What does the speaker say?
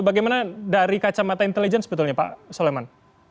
bagaimana dari kacamata intelijen sebetulnya pak soleman